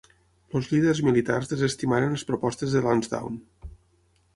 Els líders militars desestimaren les propostes de Lansdowne.